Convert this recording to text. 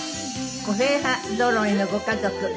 個性派ぞろいのご家族。